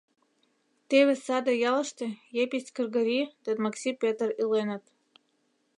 Теве саде ялыште Епись Кргори ден Макси Пӧтыр иленыт.